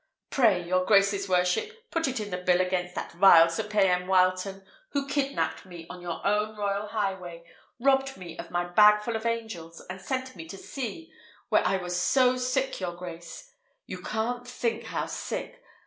Pray, your grace's worship, put it in the bill against that vile Sir Payan Wileton, who kidnapped me on your own royal highway, robbed me of my bagfull of angels, and sent me to sea, where I was so sick, your grace; you can't think how sick!